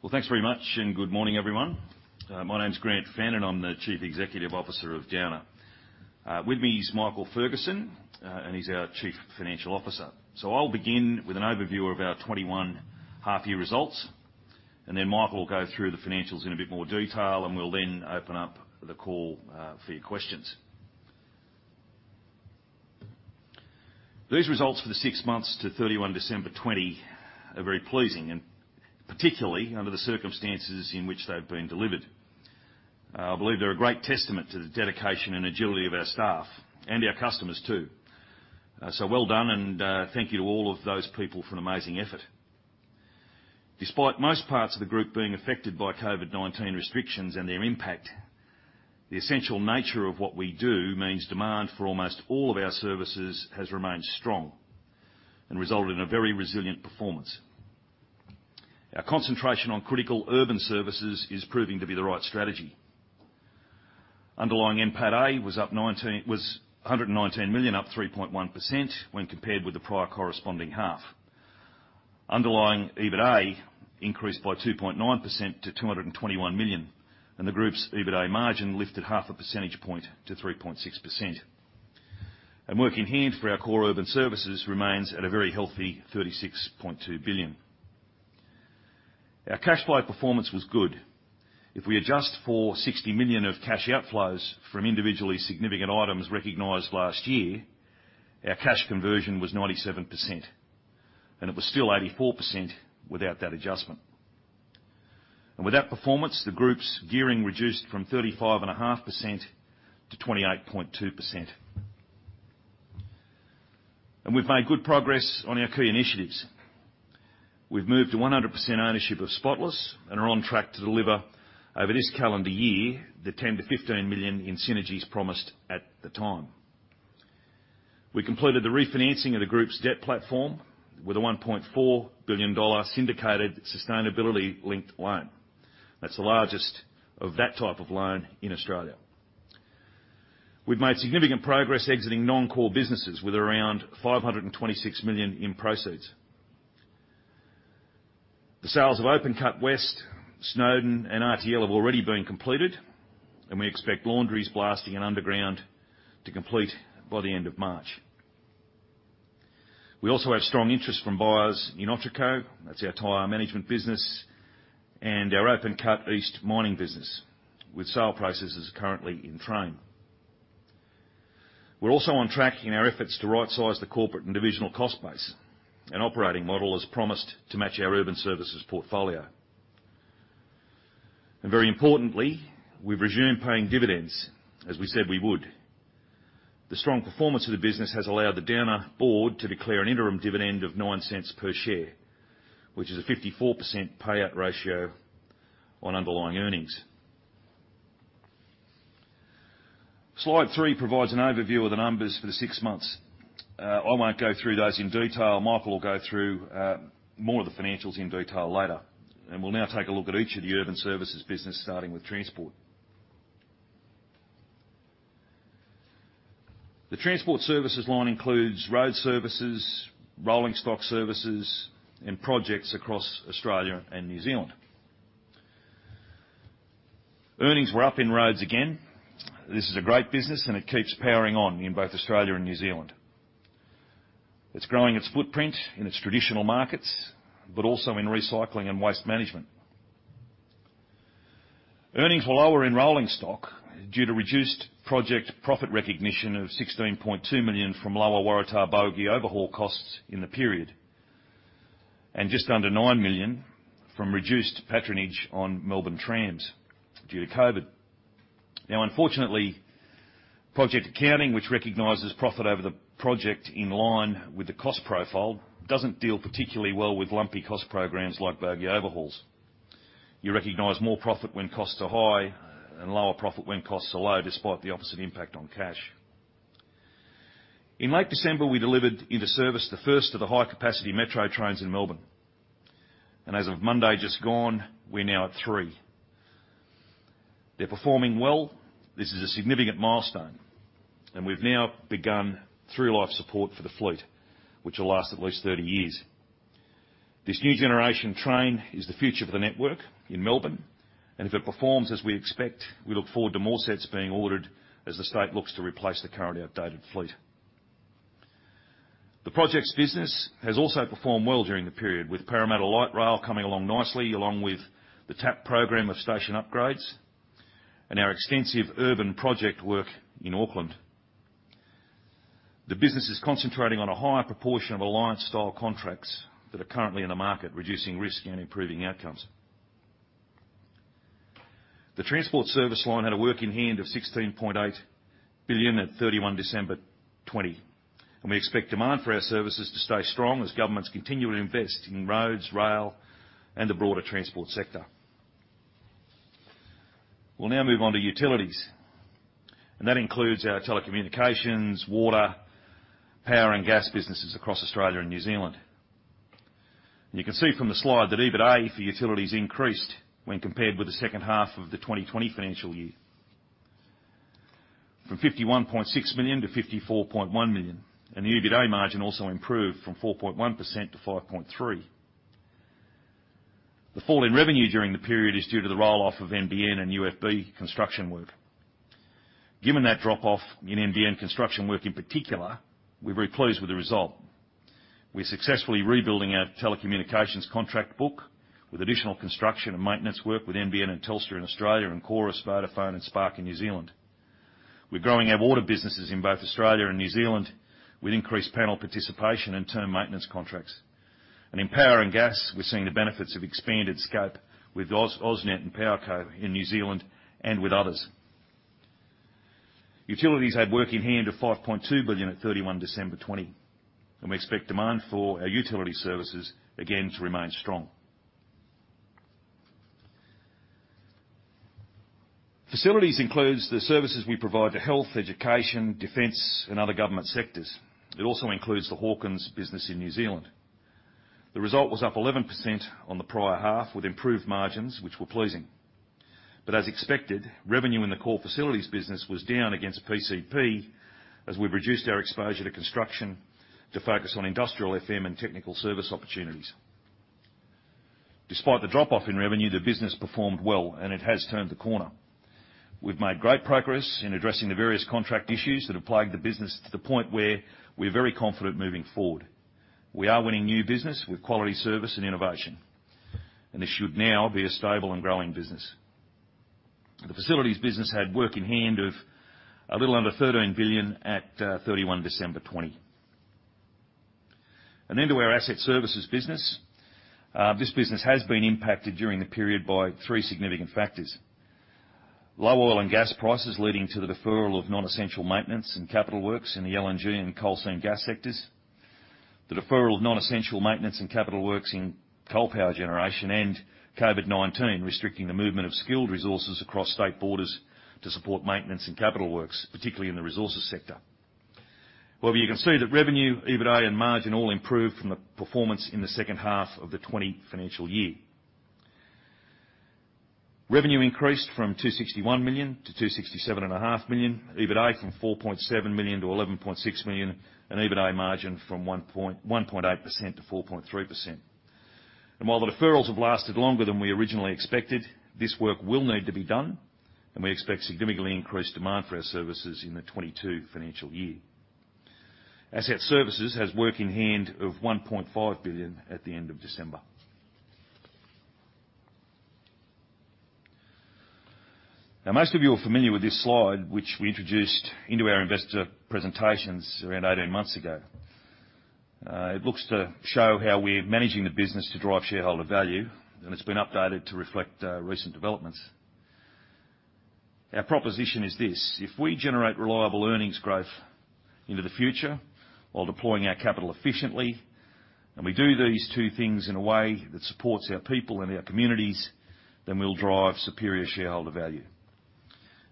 Well, thanks very much and good morning, everyone. My name's Grant Fenn. I'm the Chief Executive Officer of Downer. With me is Michael Ferguson. He's our Chief Financial Officer. I'll begin with an overview of our FY 2021 half-year results. Michael will go through the financials in a bit more detail. We'll then open up the call for your questions. These results for the six months to 31 December 2020 are very pleasing, particularly under the circumstances in which they've been delivered. I believe they're a great testament to the dedication and agility of our staff and our customers too. Well done. Thank you to all of those people for an amazing effort. Despite most parts of the group being affected by COVID-19 restrictions and their impact, the essential nature of what we do means demand for almost all of our services has remained strong and resulted in a very resilient performance. Our concentration on critical urban services is proving to be the right strategy. Underlying NPATA was 119 million, up 3.1% when compared with the prior corresponding half. Underlying EBITA increased by 2.9% to 221 million, and the group's EBITA margin lifted half a percentage point to 3.6%. Work in hand for our core urban services remains at a very healthy 36.2 billion. Our cash flow performance was good. If we adjust for 60 million of cash outflows from individually significant items recognized last year, our cash conversion was 97%, and it was still 84% without that adjustment. With that performance, the group's gearing reduced from 35.5%-28.2%. We've made good progress on our key initiatives. We've moved to 100% ownership of Spotless and are on track to deliver over this calendar year the 10 million-15 million in synergies promised at the time. We completed the refinancing of the group's debt platform with an 1.4 billion dollar syndicated sustainability-linked loan. That's the largest of that type of loan in Australia. We've made significant progress exiting non-core businesses with around 526 million in proceeds. The sales of Open Cut West, Snowden, and RTL have already been completed, and we expect Laundries Blasting and underground to complete by the end of March. We also have strong interest from buyers in Otraco, that's our tire management business, and our Open Cut East mining business, with sale processes currently in train. Very importantly, we've resumed paying dividends, as we said we would. The strong performance of the business has allowed the Downer board to declare an interim dividend of 0.09 per share, which is a 54% payout ratio on underlying earnings. Slide three provides an overview of the numbers for the six months. I won't go through those in detail. Michael will go through more of the financials in detail later. We'll now take a look at each of the urban services business, starting with transport. The transport services line includes road services, rolling stock services, and projects across Australia and New Zealand. Earnings were up in roads again. This is a great business. It keeps powering on in both Australia and New Zealand. It's growing its footprint in its traditional markets, also in recycling and waste management. Earnings were lower in rolling stock due to reduced project profit recognition of 16.2 million from lower Waratah bogie overhaul costs in the period, and just under 9 million from reduced patronage on Melbourne trams due to COVID-19. Now, unfortunately, project accounting, which recognizes profit over the project in line with the cost profile, doesn't deal particularly well with lumpy cost programs like bogie overhauls. You recognize more profit when costs are high and lower profit when costs are low, despite the opposite impact on cash. In late December, we delivered into service the first of the High Capacity Metro Trains in Melbourne. As of Monday just gone, we're now at three. They're performing well. This is a significant milestone, and we've now begun through-life support for the fleet, which will last at least 30 years. This new generation train is the future for the network in Melbourne, and if it performs as we expect, we look forward to more sets being ordered as the state looks to replace the current outdated fleet. The projects business has also performed well during the period, with Parramatta Light Rail coming along nicely, along with the TAP program of station upgrades and our extensive urban project work in Auckland. The business is concentrating on a higher proportion of alliance-style contracts that are currently in the market, reducing risk and improving outcomes. The transport service line had a work in hand of 16.8 billion at 31 December 2020. We expect demand for our services to stay strong as governments continue to invest in roads, rail, and the broader transport sector. We'll now move on to utilities. That includes our telecommunications, water, power, and gas businesses across Australia and New Zealand. You can see from the slide that EBITA for utilities increased when compared with the second half of the 2020 financial year, from 51.6 million to 54.1 million. The EBITDA margin also improved from 4.1%-5.3%. The fall in revenue during the period is due to the roll-off of NBN and UFB construction work. Given that drop-off in NBN construction work in particular, we're very pleased with the result. We're successfully rebuilding our telecommunications contract book with additional construction and maintenance work with NBN and Telstra in Australia and Chorus, Vodafone, and Spark in New Zealand. We're growing our water businesses in both Australia and New Zealand with increased panel participation and term maintenance contracts. In power and gas, we're seeing the benefits of expanded scope with AusNet and Powerco in New Zealand and with others. Utilities had work in hand of 5.2 billion at 31 December 2020, and we expect demand for our utility services again to remain strong. Facilities includes the services we provide to health, education, defense, and other government sectors. It also includes the Hawkins business in New Zealand. The result was up 11% on the prior half with improved margins, which were pleasing. As expected, revenue in the core facilities business was down against PCP as we've reduced our exposure to construction to focus on industrial FM and technical service opportunities. Despite the drop-off in revenue, the business performed well, and it has turned the corner. We've made great progress in addressing the various contract issues that have plagued the business to the point where we're very confident moving forward. We are winning new business with quality service and innovation, and this should now be a stable and growing business. The facilities business had work in hand of a little under 13 billion at 31 December 2020. To our asset services business. This business has been impacted during the period by three significant factors. Low oil and gas prices, leading to the deferral of non-essential maintenance and capital works in the LNG and coal seam gas sectors. The deferral of non-essential maintenance and capital works in coal power generation, COVID-19 restricting the movement of skilled resources across state borders to support maintenance and capital works, particularly in the resources sector. Well, you can see that revenue, EBITDA, and margin all improved from the performance in the second half of the 2020 financial year. Revenue increased from 261 million-267.5 million, EBITDA from 4.7 million-11.6 million, and EBITDA margin from 1.8%-4.3%. While the deferrals have lasted longer than we originally expected, this work will need to be done, and we expect significantly increased demand for our services in the 2022 financial year. Asset services has work in hand of 1.5 billion at the end of December. Now, most of you are familiar with this slide, which we introduced into our investor presentations around 18 months ago. It looks to show how we're managing the business to drive shareholder value, and it's been updated to reflect recent developments. Our proposition is this: If we generate reliable earnings growth into the future while deploying our capital efficiently, and we do these two things in a way that supports our people and our communities, then we'll drive superior shareholder value.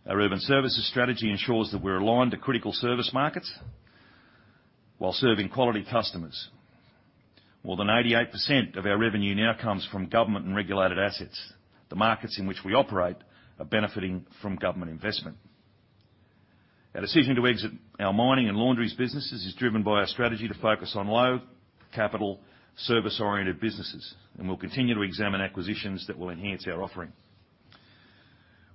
Our urban services strategy ensures that we're aligned to critical service markets while serving quality customers. More than 88% of our revenue now comes from government and regulated assets. The markets in which we operate are benefiting from government investment. Our decision to exit our mining and laundries businesses is driven by our strategy to focus on low capital, service-oriented businesses, and we'll continue to examine acquisitions that will enhance our offering.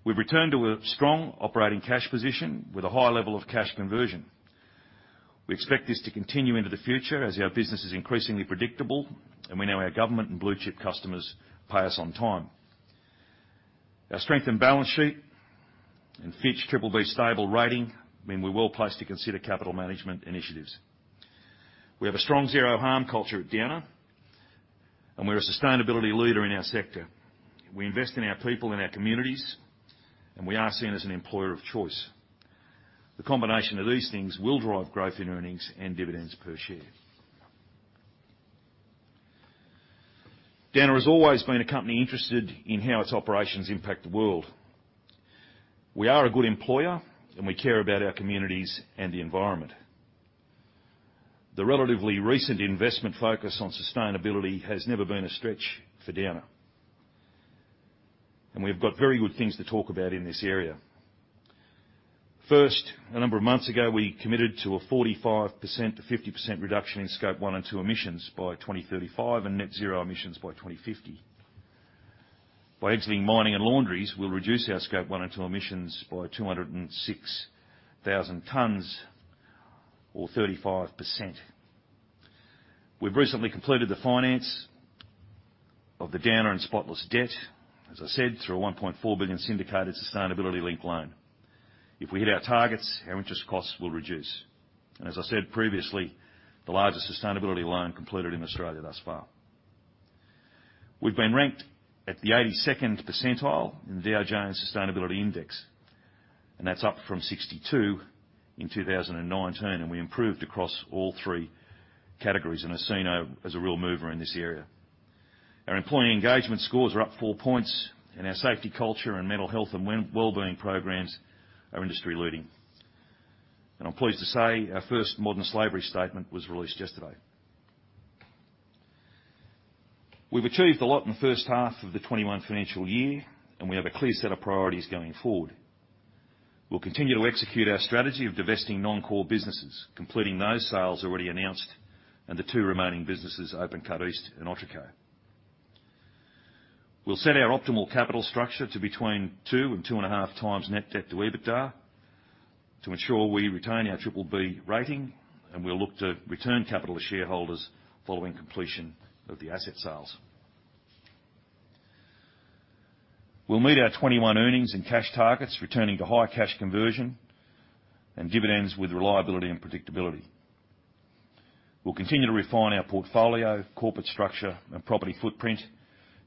We've returned to a strong operating cash position with a high level of cash conversion. We expect this to continue into the future as our business is increasingly predictable, and we know our government and blue-chip customers pay us on time. Our strengthened balance sheet and Fitch BBB stable rating mean we're well-placed to consider capital management initiatives. We have a strong zero harm culture at Downer, and we're a sustainability leader in our sector. We invest in our people and our communities, and we are seen as an employer of choice. The combination of these things will drive growth in earnings and dividends per share. Downer has always been a company interested in how its operations impact the world. We are a good employer, and we care about our communities and the environment. The relatively recent investment focus on sustainability has never been a stretch for Downer, and we've got very good things to talk about in this area. First, a number of months ago, we committed to a 45%-50% reduction in Scope 1 and 2 emissions by 2035 and net zero emissions by 2050. By exiting mining and laundries, we'll reduce our Scope 1 and 2 emissions by 206,000 tonnes or 35%. We've recently completed the finance of the Downer and Spotless debt, as I said, through a 1.4 billion syndicated sustainability-linked loan. If we hit our targets, our interest costs will reduce. As I said previously, the largest sustainability loan completed in Australia thus far. We've been ranked at the 82nd percentile in the Dow Jones Sustainability Index, and that's up from 62 in 2019, and we improved across all three categories and are seen as a real mover in this area. Our employee engagement scores are up four points, and our safety culture and mental health and wellbeing programs are industry-leading. I'm pleased to say our first modern slavery statement was released yesterday. We've achieved a lot in the first half of 2021 financial year, and we have a clear set of priorities going forward. We'll continue to execute our strategy of divesting non-core businesses, completing those sales already announced, and the two remaining businesses, Open Cut East and Otraco. We'll set our optimal capital structure to between two and two and a half times net debt to EBITDA to ensure we retain our BBB rating, and we'll look to return capital to shareholders following completion of the asset sales. We'll meet our 2021 earnings and cash targets, returning to high cash conversion and dividends with reliability and predictability. We'll continue to refine our portfolio, corporate structure, and property footprint,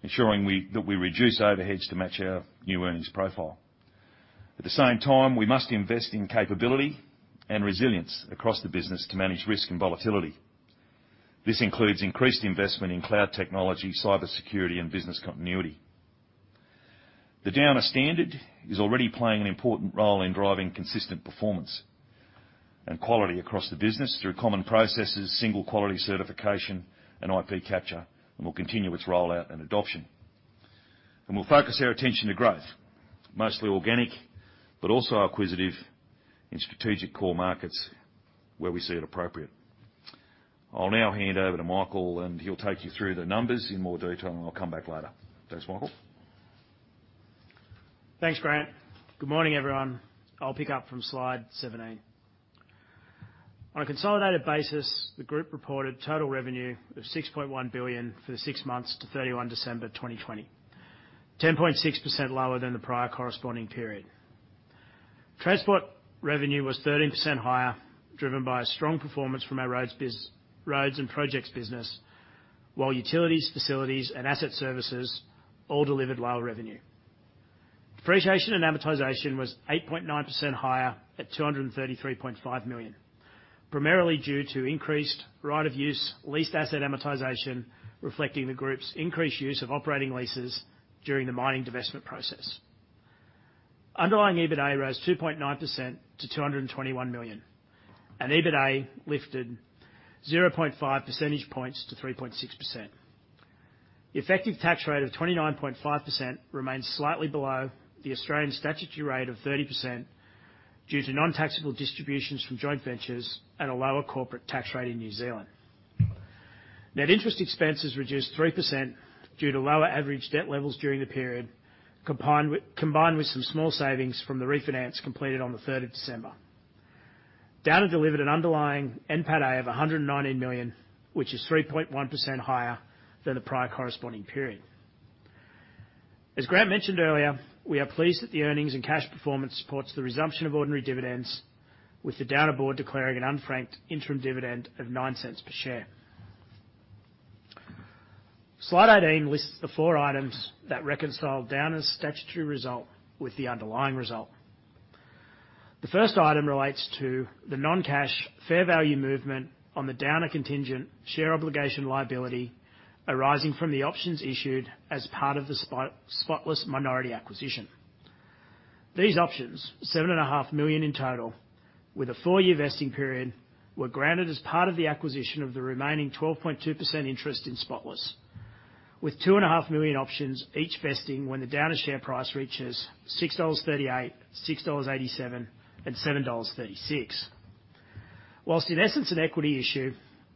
ensuring that we reduce overheads to match our new earnings profile. At the same time, we must invest in capability and resilience across the business to manage risk and volatility. This includes increased investment in cloud technology, cybersecurity, and business continuity. The Downer Standard is already playing an important role in driving consistent performance and quality across the business through common processes, single quality certification and IP capture, and will continue its rollout and adoption. We'll focus our attention to growth, mostly organic, but also acquisitive in strategic core markets where we see it appropriate. I'll now hand over to Michael and he'll take you through the numbers in more detail, and I'll come back later. Thanks, Michael. Thanks, Grant. Good morning, everyone. I'll pick up from slide 17. On a consolidated basis, the group reported total revenue of 6.1 billion for the six months to 31 December 2020, 10.6% lower than the prior corresponding period. Transport revenue was 13% higher, driven by a strong performance from our roads and projects business, while utilities, facilities, and asset services all delivered lower revenue. Depreciation and amortization was 8.9% higher at 233.5 million, primarily due to increased right of use leased asset amortization, reflecting the group's increased use of operating leases during the mining divestment process. Underlying EBITA rose 2.9% to 221 million, and EBITA lifted 0.5 percentage points to 3.6%. The effective tax rate of 29.5% remains slightly below the Australian statutory rate of 30% due to non-taxable distributions from joint ventures at a lower corporate tax rate in New Zealand. Net interest expenses reduced 3% due to lower average debt levels during the period, combined with some small savings from the refinance completed on the 3rd of December. Downer delivered an underlying NPATA of 119 million, which is 3.1% higher than the prior corresponding period. As Grant mentioned earlier, we are pleased that the earnings and cash performance supports the resumption of ordinary dividends with the Downer board declaring an unfranked interim dividend of 0.09 per share. Slide 18 lists the four items that reconcile Downer's statutory result with the underlying result. The first item relates to the non-cash fair value movement on the Downer contingent share obligation liability arising from the options issued as part of the Spotless minority acquisition. These options, 7.5 million in total with a four-year vesting period, were granted as part of the acquisition of the remaining 12.2% interest in Spotless, with 2.5 million options each vesting when the Downer share price reaches 6.38 dollars, 6.87 dollars, and 7.36 dollars. Whilst in essence an equity issue,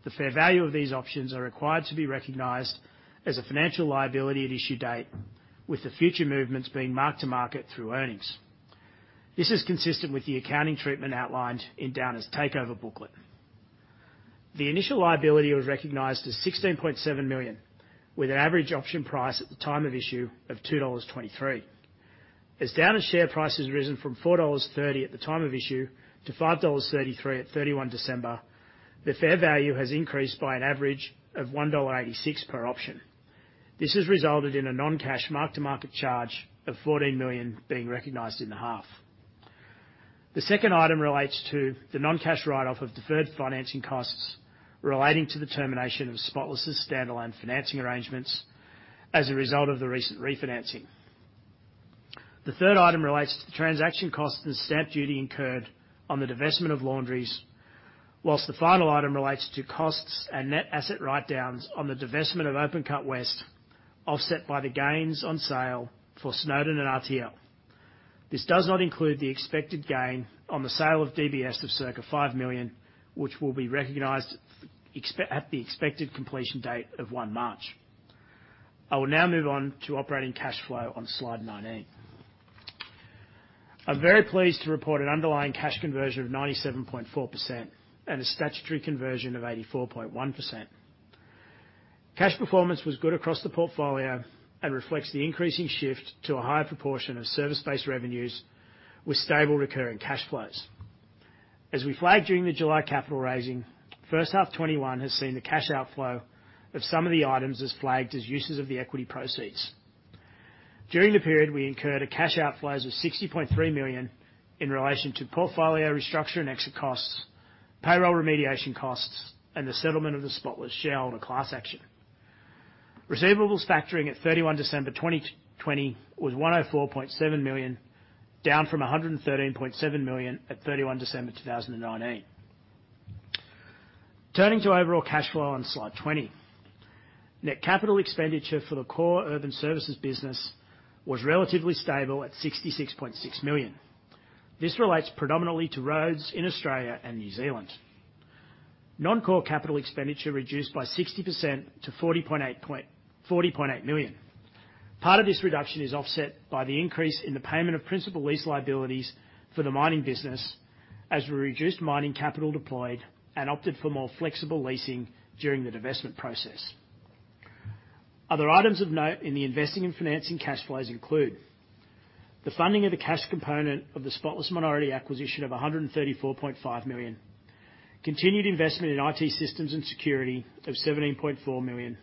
the fair value of these options are required to be recognized as a financial liability at issue date, with the future movements being mark to market through earnings. This is consistent with the accounting treatment outlined in Downer's takeover booklet. The initial liability was recognized as 16.7 million, with an average option price at the time of issue of 2.23 dollars. As Downer's share price has risen from 4.30 dollars at the time of issue to 5.33 dollars at 31 December, the fair value has increased by an average of 1.86 dollar per option. This has resulted in a non-cash mark to market charge of 14 million being recognized in the half. The second item relates to the non-cash write-off of deferred financing costs relating to the termination of Spotless' standalone financing arrangements as a result of the recent refinancing. The third item relates to the transaction costs and stamp duty incurred on the divestment of Laundries. The final item relates to costs and net asset write-downs on the divestment of Open Cut West, offset by the gains on sale for Snowden and RTL. This does not include the expected gain on the sale of DBS of circa 5 million, which will be recognized at the expected completion date of 1 March. I will now move on to operating cash flow on slide 19. I'm very pleased to report an underlying cash conversion of 97.4% and a statutory conversion of 84.1%. Cash performance was good across the portfolio and reflects the increasing shift to a higher proportion of service-based revenues with stable recurring cash flows. As we flagged during the July capital raising, first half 2021 has seen the cash outflow of some of the items as flagged as uses of the equity proceeds. During the period, we incurred a cash outflows of AUD 60.3 million in relation to portfolio restructure and exit costs, payroll remediation costs, and the settlement of the Spotless shareholder class action. Receivables factoring at 31 December 2020 was 104.7 million, down from 113.7 million at 31 December 2019. Turning to overall cash flow on slide 20. Net capital expenditure for the core urban services business was relatively stable at 66.6 million. This relates predominantly to roads in Australia and New Zealand. Non-core capital expenditure reduced by 60% to 40.8 million. Part of this reduction is offset by the increase in the payment of principal lease liabilities for the mining business, as we reduced mining capital deployed and opted for more flexible leasing during the divestment process. Other items of note in the investing and financing cash flows include the funding of the cash component of the Spotless minority acquisition of 134.5 million, continued investment in IT systems and security of 17.4 million.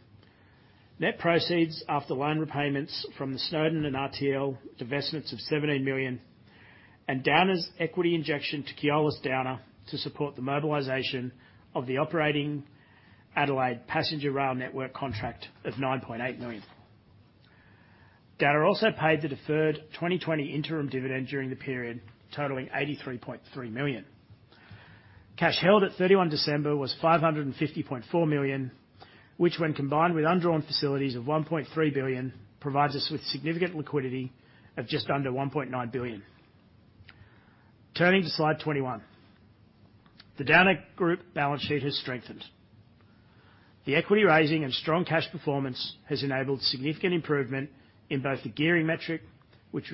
Net proceeds after loan repayments from the Snowden and RTL divestments of 17 million, and Downer's equity injection to Keolis Downer to support the mobilization of the operating Adelaide passenger rail network contract of 9.8 million. Downer also paid the deferred 2020 interim dividend during the period, totaling AUD 83.3 million. Cash held at 31 December was AUD 550.4 million, which when combined with undrawn facilities of AUD 1.3 billion, provides us with significant liquidity of just under AUD 1.9 billion. Turning to slide 21. The Downer Group balance sheet has strengthened. The equity raising and strong cash performance has enabled significant improvement in both the gearing metric, which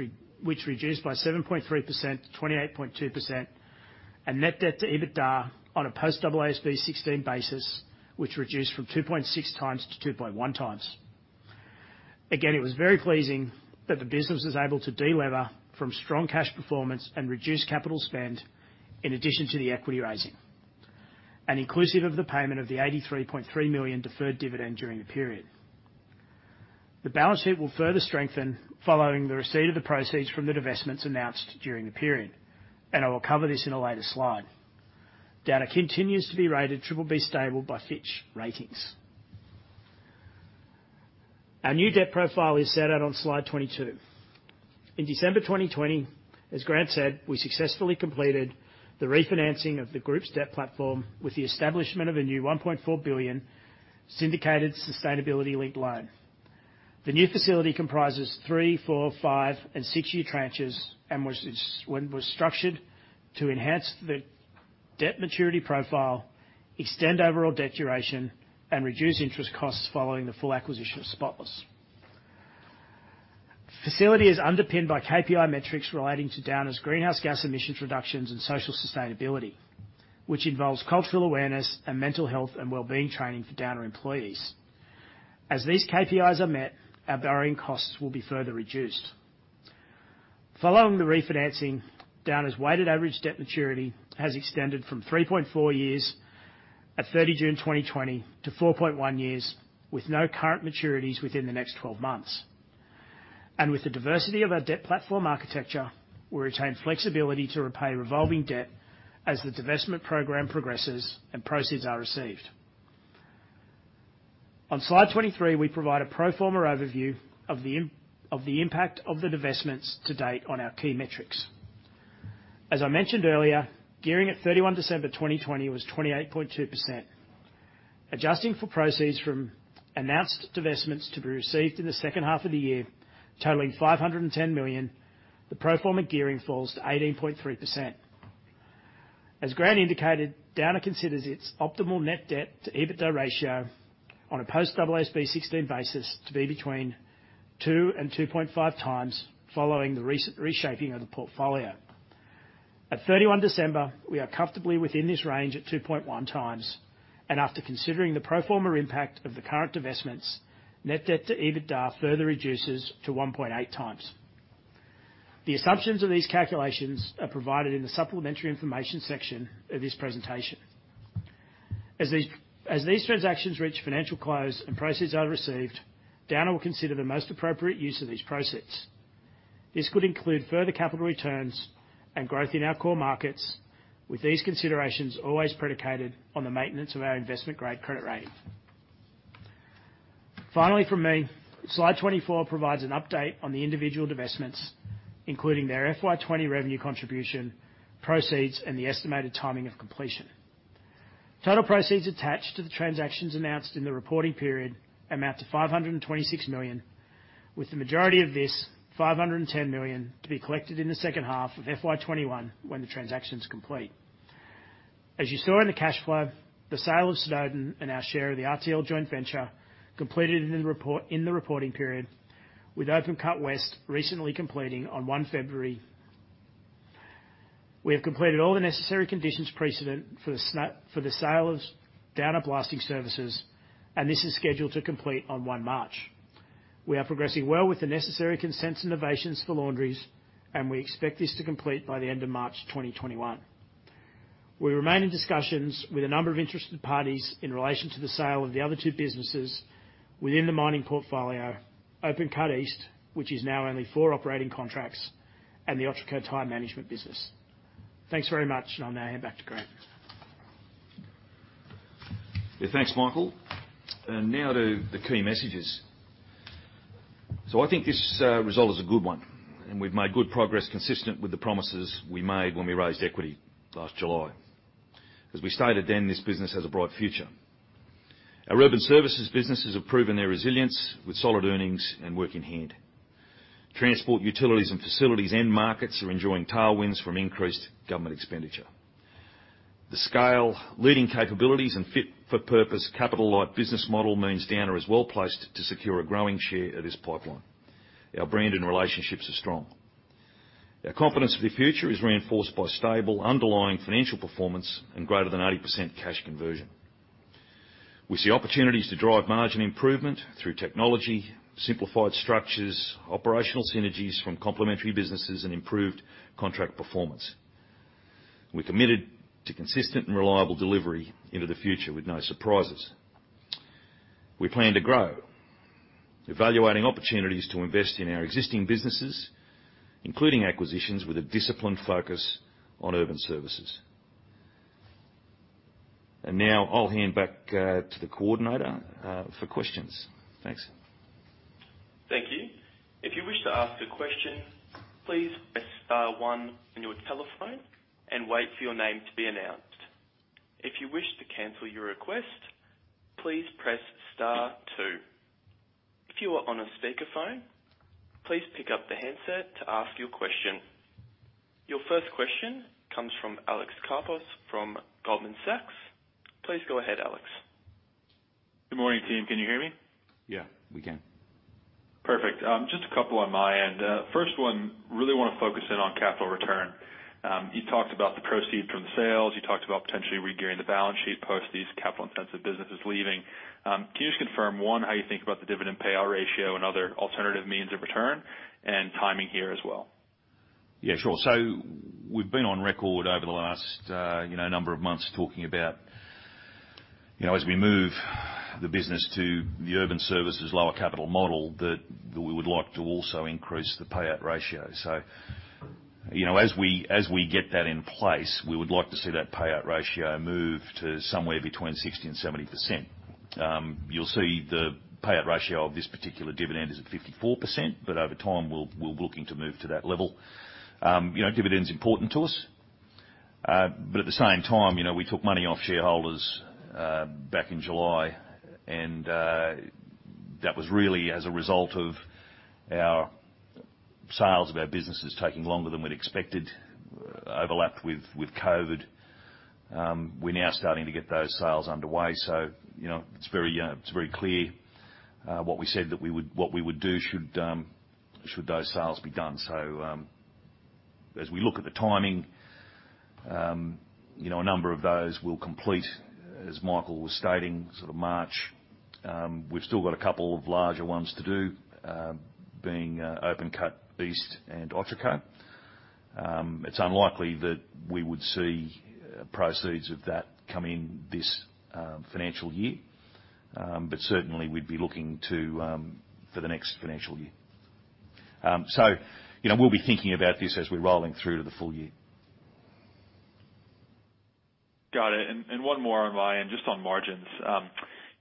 reduced by 7.3%-28.2%, and net debt to EBITDA on a post-AASB 16 basis, which reduced from 2.6x-2.1x. Again, it was very pleasing that the business was able to de-lever from strong cash performance and reduce capital spend in addition to the equity raising. Inclusive of the payment of the AUD 83.3 million deferred dividend during the period. The balance sheet will further strengthen following the receipt of the proceeds from the divestments announced during the period, and I will cover this in a later slide. Downer continues to be rated BBB stable by Fitch Ratings. Our new debt profile is set out on slide 22. In December 2020, as Grant said, we successfully completed the refinancing of the group's debt platform with the establishment of a new 1.4 billion syndicated sustainability linked loan. The new facility comprises three, four, five, and six-year tranches and was structured to enhance the debt maturity profile, extend overall debt duration, and reduce interest costs following the full acquisition of Spotless. Facility is underpinned by KPI metrics relating to Downer's greenhouse gas emissions reductions and social sustainability, which involves cultural awareness and mental health and wellbeing training for Downer employees. As these KPIs are met, our borrowing costs will be further reduced. Following the refinancing, Downer's weighted average debt maturity has extended from 3.4 years at 30 June 2020 to 4.1 years, with no current maturities within the next 12 months. With the diversity of our debt platform architecture, we retain flexibility to repay revolving debt as the divestment program progresses and proceeds are received. On slide 23, we provide a pro forma overview of the impact of the divestments to date on our key metrics. As I mentioned earlier, gearing at 31 December 2020 was 28.2%. Adjusting for proceeds from announced divestments to be received in the second half of the year, totaling 510 million, the pro forma gearing falls to 18.3%. As Grant indicated, Downer considers its optimal net debt to EBITDA ratio on a post-AASB 16 basis to be between 2x and 2.5x following the recent reshaping of the portfolio. At 31 December, we are comfortably within this range at 2.1x, and after considering the pro forma impact of the current divestments, net debt to EBITDA further reduces to 1.8x. The assumptions of these calculations are provided in the supplementary information section of this presentation. As these transactions reach financial close and proceeds are received, Downer will consider the most appropriate use of these proceeds. This could include further capital returns and growth in our core markets, with these considerations always predicated on the maintenance of our investment-grade credit rating. Finally from me, slide 24 provides an update on the individual divestments, including their FY 2020 revenue contribution, proceeds, and the estimated timing of completion. Total proceeds attached to the transactions announced in the reporting period amount to 526 million, with the majority of this, 510 million, to be collected in the second half of FY 2021 when the transaction's complete. As you saw in the cash flow, the sale of Snowden and our share of the RTL joint venture completed in the reporting period with Open Cut West recently completing on 1 February. We have completed all the necessary conditions precedent for the sale of Downer Blasting Services. This is scheduled to complete on 1 March. We are progressing well with the necessary consents and novations for Laundries. We expect this to complete by the end of March 2021. We remain in discussions with a number of interested parties in relation to the sale of the other two businesses within the mining portfolio, Open Cut East, which is now only four operating contracts, and the Otraco Tyre Management business. Thanks very much. I'll now hand back to Grant. Thanks, Michael. Now to the key messages. I think this result is a good one. We've made good progress consistent with the promises we made when we raised equity last July. As we stated then, this business has a bright future. Our urban services businesses have proven their resilience with solid earnings and work in hand. Transport, utilities, and facilities end markets are enjoying tailwinds from increased government expenditure. The scale, leading capabilities, and fit for purpose capital light business model means Downer is well-placed to secure a growing share of this pipeline. Our brand and relationships are strong. Our confidence for the future is reinforced by stable underlying financial performance and greater than 80% cash conversion. We see opportunities to drive margin improvement through technology, simplified structures, operational synergies from complementary businesses, and improved contract performance. We're committed to consistent and reliable delivery into the future with no surprises. We plan to grow. Evaluating opportunities to invest in our existing businesses, including acquisitions with a disciplined focus on urban services. Now I'll hand back to the coordinator for questions. Thanks. Your first question comes from Alex Karpos from Goldman Sachs. Please go ahead, Alex. Good morning, team. Can you hear me? Yeah, we can. Perfect. Just a couple on my end. First one, really want to focus in on capital return. You talked about the proceeds from the sales. You talked about potentially regearing the balance sheet post these capital-intensive businesses leaving. Can you just confirm, one, how you think about the dividend payout ratio and other alternative means of return and timing here as well? Yeah, sure. We've been on record over the last number of months talking about as we move the business to the urban services lower capital model, that we would like to also increase the payout ratio. As we get that in place, we would like to see that payout ratio move to somewhere between 60% and 70%. You'll see the payout ratio of this particular dividend is at 54%, over time, we're looking to move to that level. Dividend's important to us. At the same time, we took money off shareholders back in July and that was really as a result of our sales of our businesses taking longer than we'd expected, overlapped with COVID-19. We're now starting to get those sales underway, it's very clear what we said that what we would do should those sales be done. As we look at the timing, a number of those will complete, as Michael was stating, March. We've still got a couple of larger ones to do, being Open Cut East, and Otraco. It's unlikely that we would see proceeds of that coming this financial year. Certainly, we'd be looking to for the next financial year. We'll be thinking about this as we're rolling through to the full year. Got it. One more on my end, just on margins.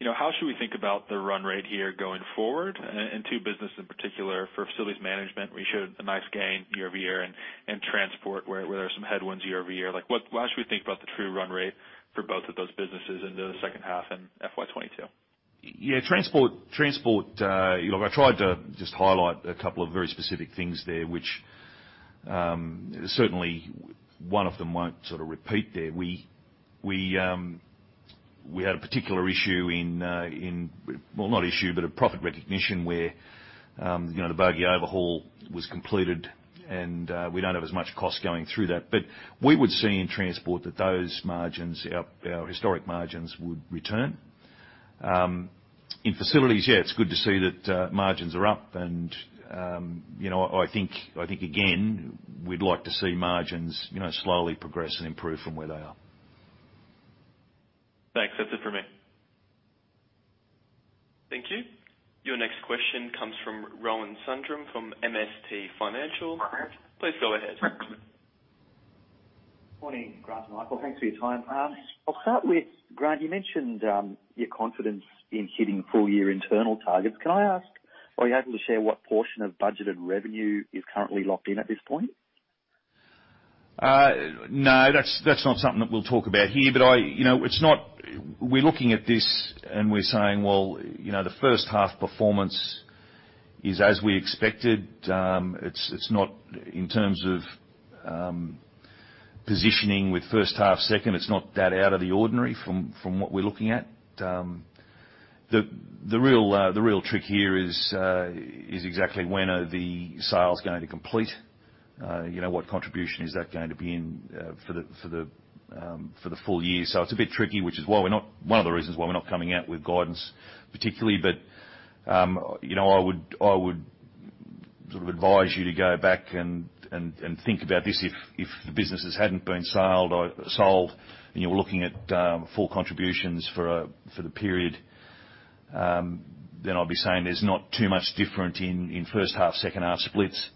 How should we think about the run rate here going forward? In two business in particular, for facilities management, we showed a nice gain year-over-year, and transport where there are some headwinds year-over-year. How should we think about the true run rate for both of those businesses into the second half in FY 2022? Yeah. Transport, I tried to just highlight a couple of very specific things there, which certainly one of them won't repeat there. We had a particular issue, well, not issue, but a profit recognition where the bogey overhaul was completed and we don't have as much cost going through that. We would see in transport that those margins, our historic margins would return. In Facilities, yeah, it's good to see that margins are up and I think, again, we'd like to see margins slowly progress and improve from where they are. Thanks. That's it for me. Thank you. Your next question comes from Rohan Sundram from MST Financial. Please go ahead. Morning, Grant and Michael. Thanks for your time. I'll start with Grant. You mentioned your confidence in hitting full-year internal targets. Can I ask, are you able to share what portion of budgeted revenue is currently locked in at this point? No, that's not something that we'll talk about here. We're looking at this and we're saying, well, the first half performance is as we expected. In terms of positioning with first half, second, it's not that out of the ordinary from what we're looking at. The real trick here is exactly when are the sales going to complete. What contribution is that going to be in for the full year? It's a bit tricky, which is one of the reasons why we're not coming out with guidance particularly. I would advise you to go back and think about this if the businesses hadn't been sold, and you're looking at full contributions for the period, then I'll be saying there's not too much different in first half, second half splits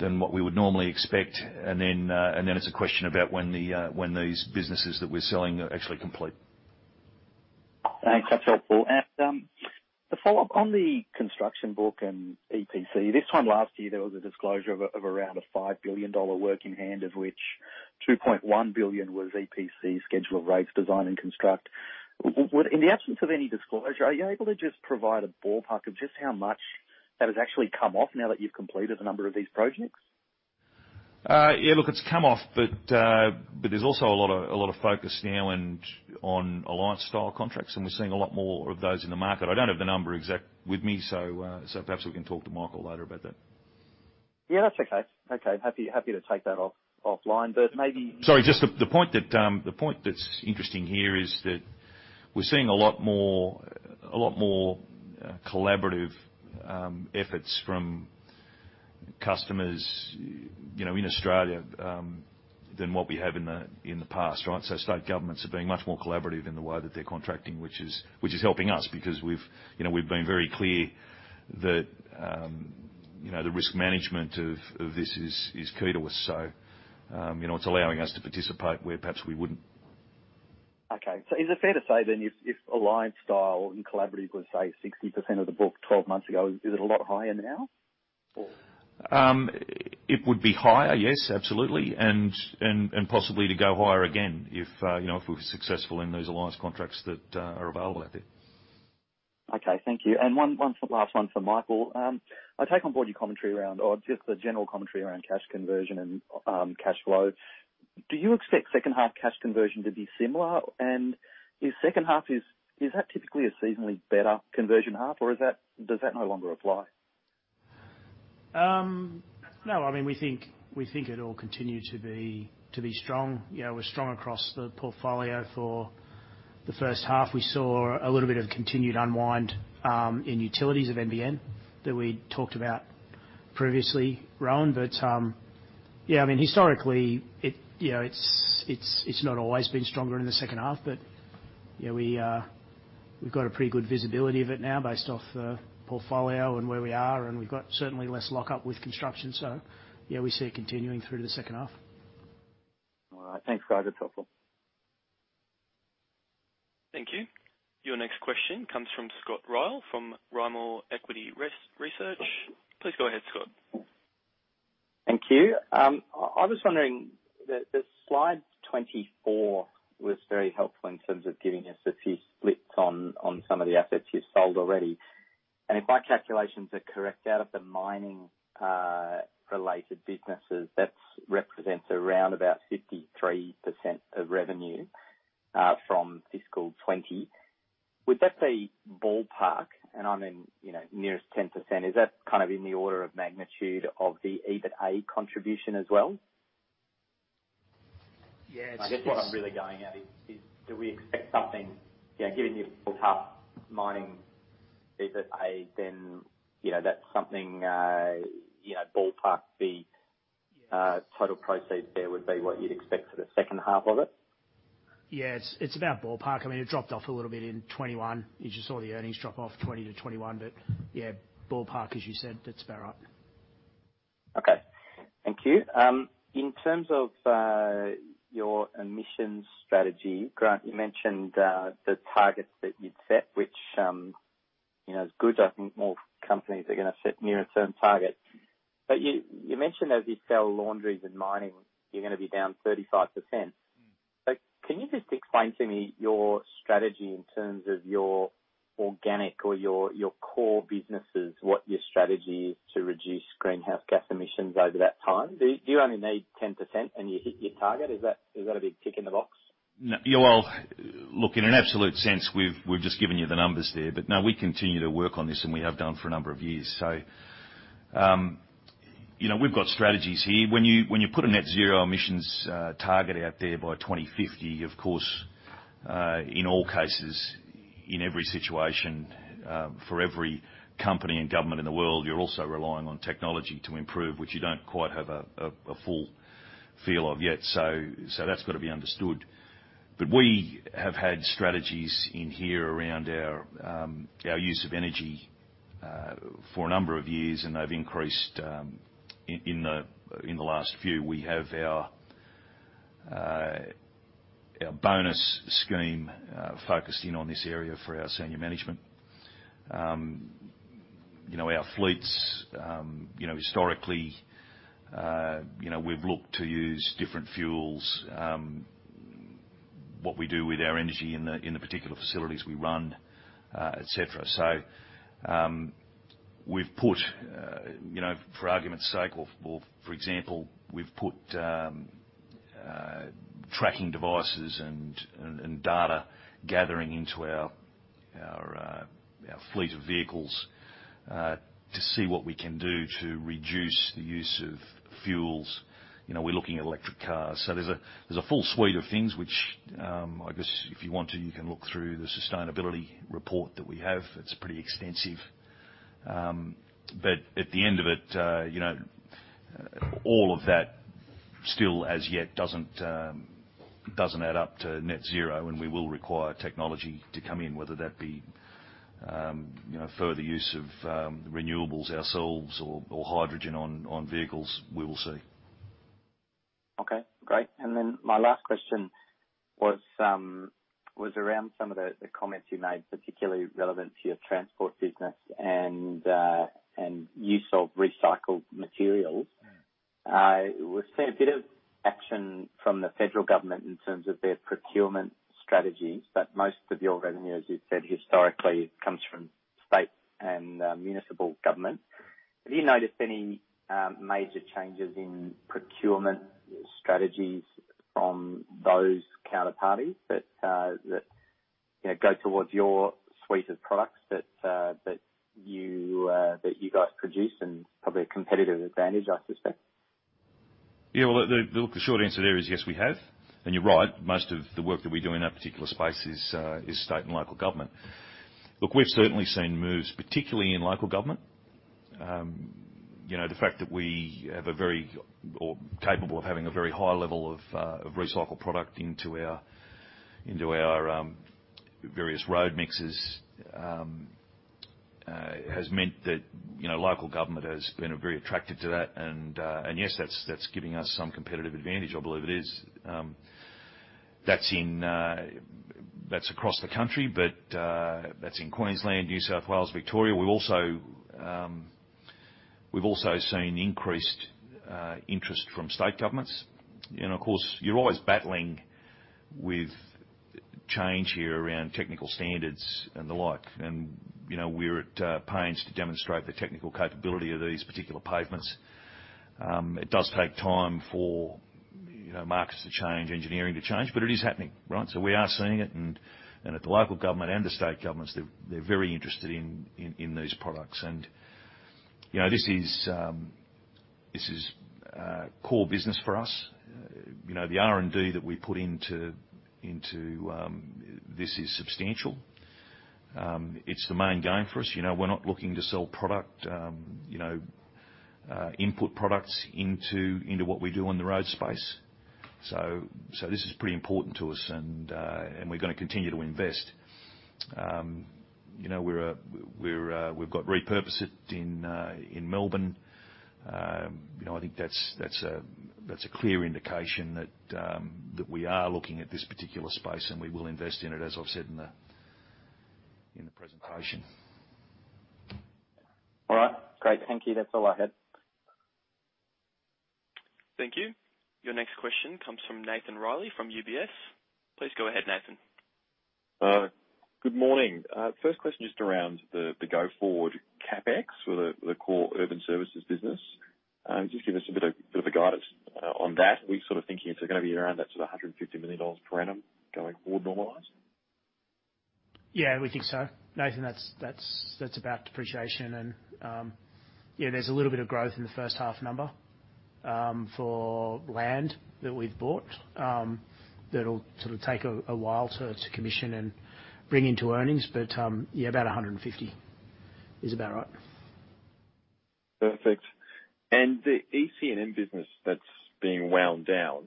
than what we would normally expect. It's a question about when these businesses that we're selling are actually complete. Thanks. That's helpful. To follow up on the construction book and EPC, this time last year, there was a disclosure of around an 5 billion dollar work in hand, of which 2.1 billion was EPC schedule of rates, design, and construct. In the absence of any disclosure, are you able to just provide a ballpark of just how much that has actually come off now that you've completed a number of these projects? Yeah, look, it's come off, but there's also a lot of focus now on alliance style contracts, and we're seeing a lot more of those in the market. I don't have the number exact with me. Perhaps we can talk to Michael later about that. Yeah, that's okay. Happy to take that offline. Sorry, just the point that's interesting here is that we're seeing a lot more collaborative efforts from customers in Australia than what we have in the past. State governments are being much more collaborative in the way that they're contracting, which is helping us because we've been very clear that the risk management of this is key to us. It's allowing us to participate where perhaps we wouldn't. Okay. Is it fair to say then if alliance style and collaborative was, say, 60% of the book 12 months ago, is it a lot higher now? It would be higher, yes, absolutely. Possibly to go higher again if we're successful in those alliance contracts that are available out there. Okay, thank you. One last one for Michael. I take on board your commentary around, or just the general commentary around cash conversion and cash flow. Do you expect second half cash conversion to be similar? Is second half, is that typically a seasonally better conversion half, or does that no longer apply? No, we think it'll continue to be strong. We're strong across the portfolio for the first half. We saw a little bit of continued unwind in utilities of NBN that we talked about previously, Rohan. Historically, it's not always been stronger in the second half, but we've got a pretty good visibility of it now based off the portfolio and where we are, and we've got certainly less lockup with construction. Yeah, we see it continuing through to the second half. All right. Thanks, guys. That's helpful. Thank you. Your next question comes from Scott Ryall from Rimor Equity Research. Please go ahead, Scott. Thank you. I was wondering, the slide 24 was very helpful in terms of giving us a few splits on some of the assets you've sold already. If my calculations are correct, out of the mining related businesses, that represents around about 53% of revenue from fiscal 2020. Would that be ballpark? I mean, nearest 10%, is that in the order of magnitude of the EBITA contribution as well? Yes. I guess what I'm really getting at is, do we expect something, given your full half mining EBITA, then that's something ballpark the total proceeds there would be what you'd expect for the second half of it? Yeah, it's about ballpark. It dropped off a little bit in 2021. You just saw the earnings drop off 2020 to 2021. Yeah, ballpark, as you said, that's about right. Okay. Thank you. In terms of your emissions strategy, Grant, you mentioned the targets that you'd set, which is good. I think more companies are going to set near-term targets. You mentioned as you sell Laundries and mining, you're going to be down 35%. Can you just explain to me your strategy in terms of your organic or your core businesses, what your strategy is to reduce greenhouse gas emissions over that time? Do you only need 10% and you hit your target? Is that a big tick in the box? Yeah, well, look, in an absolute sense, we've just given you the numbers there. No, we continue to work on this, and we have done for a number of years. We've got strategies here. When you put a net zero emissions target out there by 2050, of course, in all cases, in every situation, for every company and government in the world, you're also relying on technology to improve, which you don't quite have a full feel of yet. That's got to be understood. We have had strategies in here around our use of energy for a number of years, and they've increased in the last few. We have our bonus scheme focused in on this area for our senior management. Our fleets historically, we've looked to use different fuels, what we do with our energy in the particular facilities we run, et cetera. We've put, for argument's sake or for example, we've put tracking devices and data gathering into our fleet of vehicles to see what we can do to reduce the use of fuels. We're looking at electric cars. There's a full suite of things which, I guess if you want to, you can look through the sustainability report that we have. It's pretty extensive. At the end of it, all of that still as yet doesn't add up to net zero and we will require technology to come in, whether that be further use of renewables ourselves or hydrogen on vehicles, we will see. Okay, great. My last question was around some of the comments you made, particularly relevant to your transport business and use of recycled materials. We've seen a bit of action from the federal government in terms of their procurement strategies. Most of your revenue, as you said, historically, comes from state and municipal government. Have you noticed any major changes in procurement strategies from those counterparties that go towards your suite of products that you guys produce and probably a competitive advantage, I suspect? Yeah. Well, look, the short answer there is yes, we have. You're right, most of the work that we do in that particular space is state and local government. Look, we've certainly seen moves, particularly in local government. The fact that we have a very or capable of having a very high level of recycled product into our various road mixes has meant that local government has been very attracted to that. Yes, that's giving us some competitive advantage, I believe it is. That's across the country, but that's in Queensland, New South Wales, Victoria. We've also seen increased interest from state governments. Of course, you're always battling with change here around technical standards and the like. We're at pains to demonstrate the technical capability of these particular pavements. It does take time for markets to change, engineering to change, but it is happening, right? We are seeing it, and at the local government and the state governments, they're very interested in these products. This is core business for us. The R&D that we put into this is substantial. It's the main game for us. We're not looking to sell product, input products into what we do on the road space. This is pretty important to us and we're going to continue to invest. We've got Repurpose It in Melbourne. I think that's a clear indication that we are looking at this particular space, and we will invest in it, as I've said in the presentation. All right. Great. Thank you. That's all I had. Thank you. Your next question comes from Nathan Reilly from UBS. Please go ahead, Nathan. Good morning. First question, just around the go-forward CapEx for the core urban services business. Just give us a bit of a guidance on that. We're sort of thinking it's going to be around that sort of AUD 150 million per annum going forward normalized? Yeah, we think so. Nathan, that's about depreciation and there's a little bit of growth in the first half number for land that we've bought that'll sort of take a while to commission and bring into earnings. Yeah, about 150 is about right. Perfect. The EC&M business that's being wound down,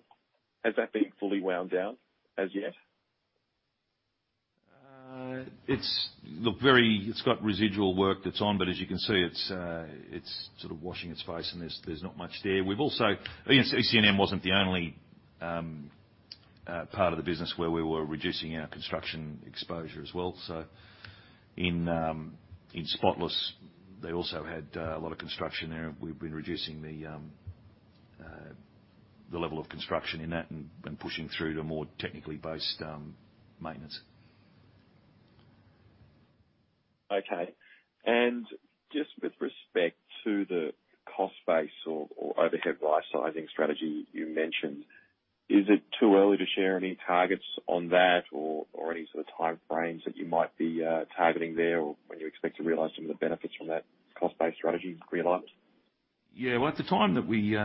has that been fully wound down as yet? It's got residual work that's on, but as you can see, it's sort of washing its face and there's not much there. EC&M wasn't the only part of the business where we were reducing our construction exposure as well. In Spotless, they also had a lot of construction there. We've been reducing the level of construction in that and pushing through to more technically based maintenance. Okay. Just with respect to the cost base or overhead right-sizing strategy you mentioned, is it too early to share any targets on that or any sort of time frames that you might be targeting there, or when you expect to realize some of the benefits from that cost-based strategy realignment? At the time that we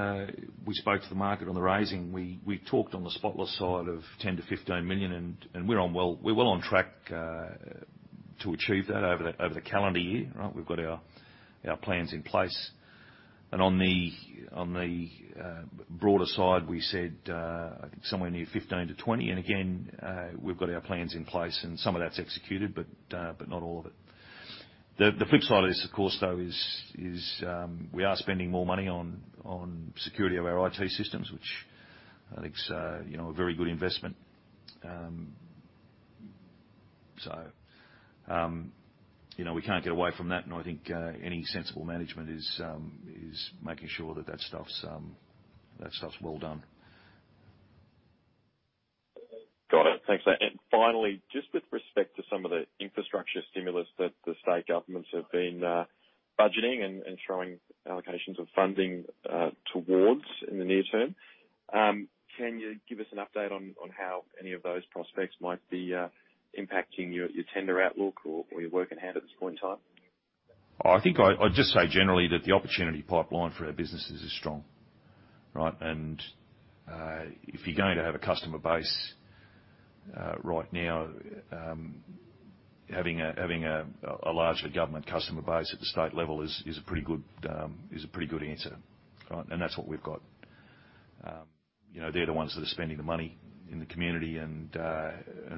spoke to the market on the raising, we talked on the Spotless side of 10 million-15 million and we're well on track to achieve that over the calendar year, right? We've got our plans in place. On the broader side, we said I think somewhere near 15 million-20 million. Again, we've got our plans in place and some of that's executed, but not all of it. The flip side of this, of course, though, is we are spending more money on security of our IT systems, which I think is a very good investment. We can't get away from that, and I think any sensible management is making sure that stuff's well done. Got it. Thanks for that. Finally, just with respect to some of the infrastructure stimulus that the state governments have been budgeting and showing allocations of funding towards in the near term, can you give us an update on how any of those prospects might be impacting your tender outlook or your work in hand at this point in time? I'd just say generally that the opportunity pipeline for our businesses is strong, right? If you're going to have a customer base right now, having a largely government customer base at the state level is a pretty good answer, right? That's what we've got. They're the ones that are spending the money in the community and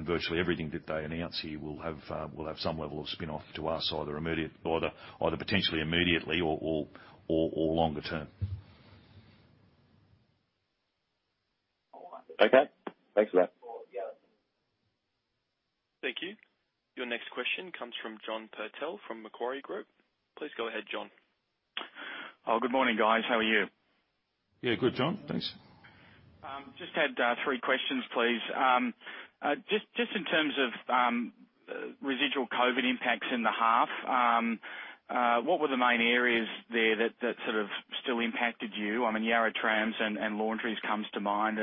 virtually everything that they announce here will have some level of spin-off to us, either potentially immediately or longer term. Okay, thanks for that. Thank you. Your next question comes from John Purtell from Macquarie Group. Please go ahead, John. Oh, good morning, guys. How are you? Yeah, good, John. Thanks. Just had three questions, please. Just in terms of residual COVID impacts in the half, what were the main areas there that still impacted you? Yarra Trams and Laundries comes to mind.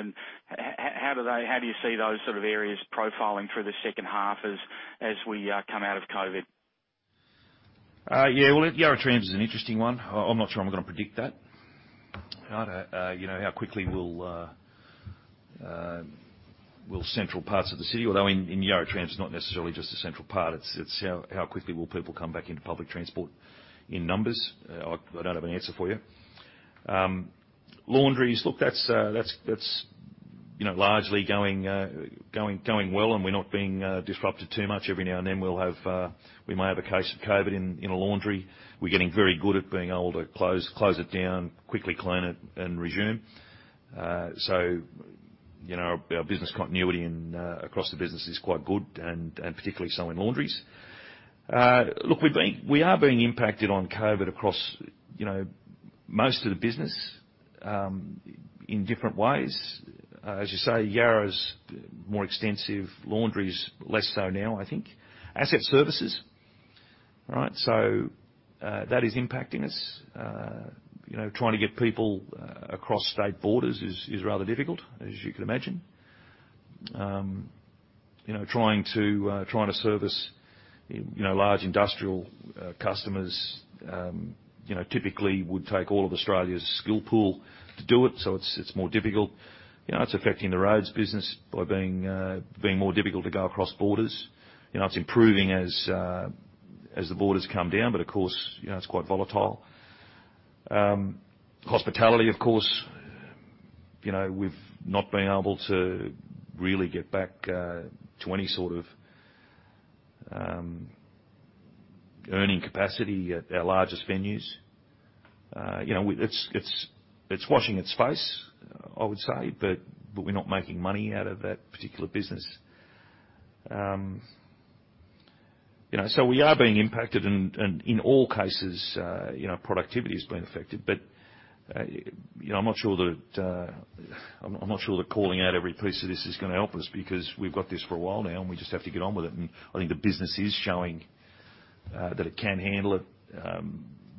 How do you see those sort of areas profiling through the second half as we come out of COVID? Yeah. Well, Yarra Trams is an interesting one. I'm not sure I'm going to predict that. I don't know how quickly will central parts of the city, although in Yarra Trams it's not necessarily just the central part, it's how quickly will people come back into public transport in numbers. I don't have an answer for you. Laundries. Look, that's largely going well, and we're not being disrupted too much. Every now and then, we may have a case of COVID in a laundry. We're getting very good at being able to close it down, quickly clean it, and resume. Our business continuity across the business is quite good, and particularly so in Laundries. Look, we are being impacted on COVID across most of the business in different ways. As you say, Yarra's more extensive, Laundry's less so now, I think. Asset Services. That is impacting us. Trying to get people across state borders is rather difficult, as you can imagine. Trying to service large industrial customers typically would take all of Australia's skill pool to do it, so it's more difficult. It's affecting the roads business by being more difficult to go across borders. Of course, it's quite volatile. Hospitality, of course, we've not been able to really get back to any sort of earning capacity at our largest venues. It's washing its face, I would say, but we're not making money out of that particular business. We are being impacted and in all cases, productivity is being affected. I'm not sure that calling out every piece of this is going to help us because we've got this for a while now, and we just have to get on with it. I think the business is showing that it can handle it.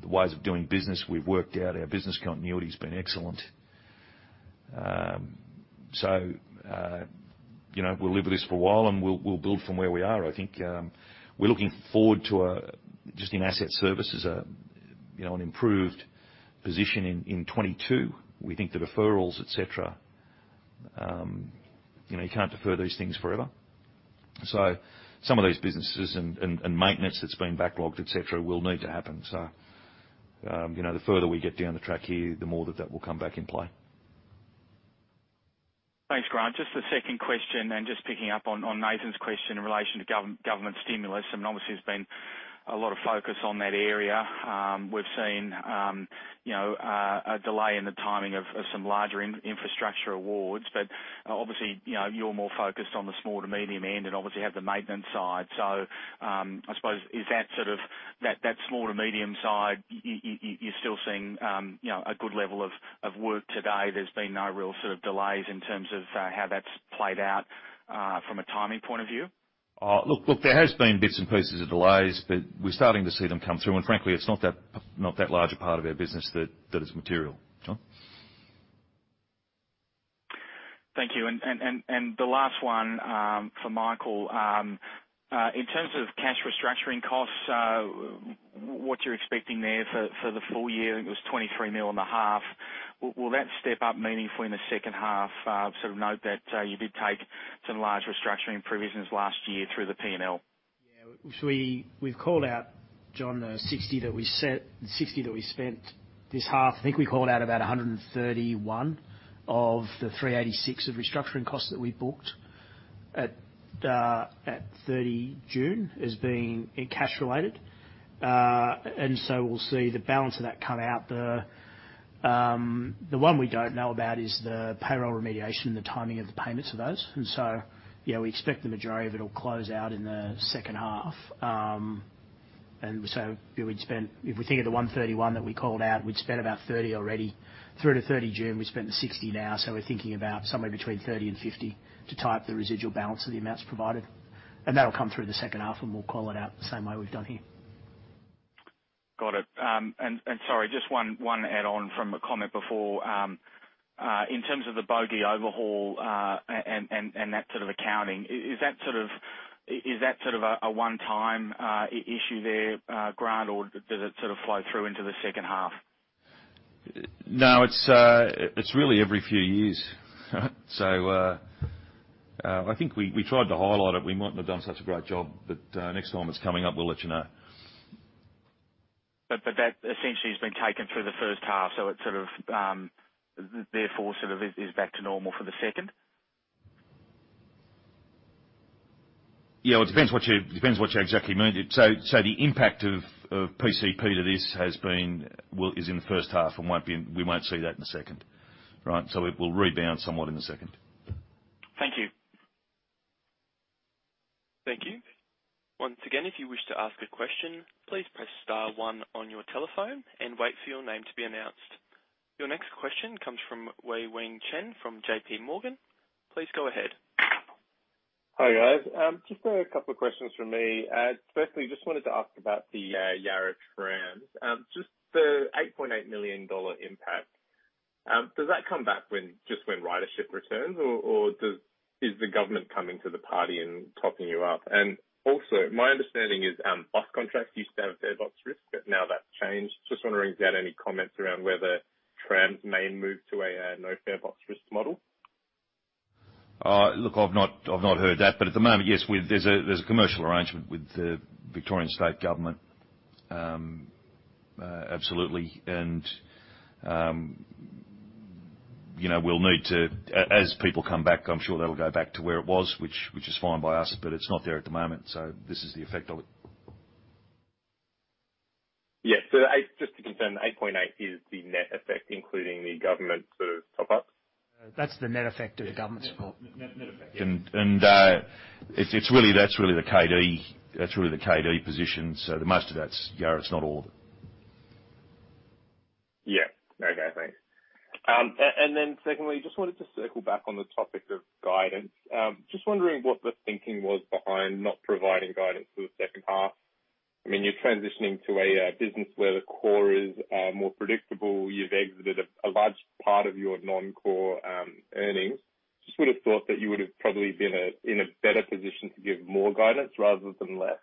The ways of doing business, we've worked out. Our business continuity's been excellent. We'll live with this for a while, and we'll build from where we are. I think we're looking forward to, just in Asset Services, an improved position in 2022. We think the deferrals, et cetera, you can't defer these things forever. Some of these businesses and maintenance that's been backlogged, et cetera, will need to happen. The further we get down the track here, the more that that will come back in play. Thanks, Grant. Just the second question, just picking up on Nathan's question in relation to government stimulus, and obviously there's been a lot of focus on that area. We've seen a delay in the timing of some larger infrastructure awards. Obviously, you're more focused on the small to medium end and obviously have the maintenance side. I suppose, is that sort of that small to medium side, you're still seeing a good level of work today? There's been no real sort of delays in terms of how that's played out from a timing point of view? Look, there has been bits and pieces of delays, but we're starting to see them come through. Frankly, it's not that larger part of our business that is material, John. Thank you. The last one for Michael. In terms of cash restructuring costs, what you're expecting there for the full year? I think it was 23 million in the half. Will that step up meaningfully in the second half? I note that you did take some large restructuring provisions last year through the P&L. Yeah. We've called out, John, the 60 that we spent this half. I think we called out about 131 of the 386 of restructuring costs that we booked at 30 June as being cash related. We'll see the balance of that come out. The one we don't know about is the payroll remediation and the timing of the payments of those. Yeah, we expect the majority of it'll close out in the second half. If we think of the 131 that we called out, we'd spent about 30 already through to 30 June. We spent the 60 now, so we're thinking about somewhere between 30 and 50 to tie up the residual balance of the amounts provided. That'll come through the second half, and we'll call it out the same way we've done here. Got it. Sorry, just one add-on from a comment before. In terms of the bogey overhaul and that sort of accounting, is that sort of a one-time issue there, Grant? Or does it sort of flow through into the second half? No, it's really every few years. I think we tried to highlight it. We might not have done such a great job, next time it's coming up, we'll let you know. That essentially has been taken through the first half, so it therefore sort of is back to normal for the second? Yeah. Well, it depends what you exactly mean. The impact of PCP to this is in the first half and we won't see that in the second. Right? It will rebound somewhat in the second. Thank you. Thank you. Once again, if you wish to ask a question, please press star one on your telephone and wait for your name to be announced. Your next question comes from Wei-Weng Chen from JPMorgan. Please go ahead. Hi, guys. Just a couple of questions from me. Firstly, just wanted to ask about the Yarra Trams. Just the 8.8 million dollar impact, does that come back just when ridership returns, or is the government coming to the party and topping you up? My understanding is bus contracts used to have fare box risk, but now that's changed. Just wondering if you had any comments around whether trams may move to a no-fare box risk model. I've not heard that, but at the moment, yes, there's a commercial arrangement with the Victorian state government. Absolutely. As people come back, I'm sure that'll go back to where it was, which is fine by us, but it's not there at the moment. This is the effect of it. Yeah. Just to confirm, the 8.8 million is the net effect, including the government sort of top-ups? That's the net effect of the government support. That's really the KD position. Most of that's Yarra's, not all of it. Yeah. Okay, thanks. Secondly, just wanted to circle back on the topic of guidance. Just wondering what the thinking was behind not providing guidance for the second half. You're transitioning to a business where the core is more predictable. You've exited a large part of your non-core earnings. Just would've thought that you would've probably been in a better position to give more guidance rather than less.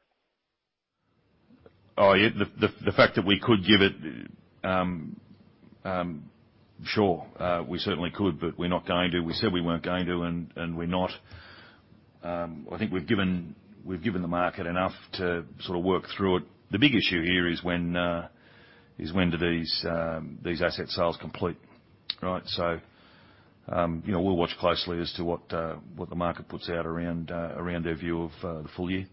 Oh, yeah. The fact that we could give it, sure. We certainly could, but we're not going to. We said we weren't going to, and we're not. I think we've given the market enough to sort of work through it. The big issue here is when do these asset sales complete, right? We'll watch closely as to what the market puts out around our view of the full year.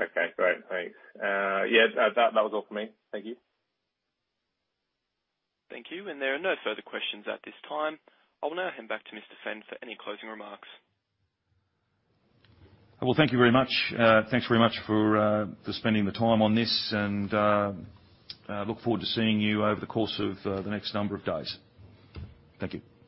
Okay, great. Thanks. Yeah, that was all from me. Thank you. Thank you. There are no further questions at this time. I will now hand back to Mr. Fenn for any closing remarks. Well, thank you very much. Thanks very much for spending the time on this, and I look forward to seeing you over the course of the next number of days. Thank you.